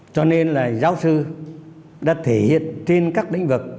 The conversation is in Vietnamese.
cho nên là giáo sư đã thể hiện trên các lĩnh vực